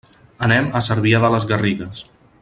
Anem a Cervià de les Garrigues.